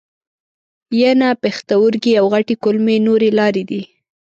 ینه، پښتورګي او غټې کولمې نورې لارې دي.